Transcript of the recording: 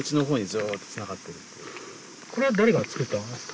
これは誰が作ったんですか？